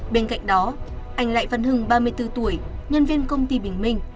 bên cạnh đó anh lại văn hưng ba mươi bốn tuổi nhân viên công ty bình minh